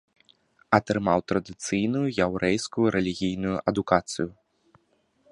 Атрымаў традыцыйную яўрэйскую рэлігійную адукацыю.